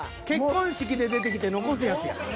結婚式で出てきて残すやつや。